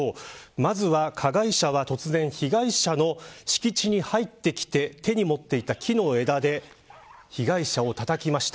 まずは加害者は突然、被害者の敷地に入ってきて手に持っていた木の枝で被害者をたたきました。